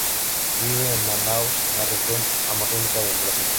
Vive en Manaos, en la región amazónica del Brasil.